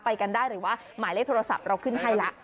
กันได้หรือว่าหมายเลขโทรศัพท์เราขึ้นให้ละ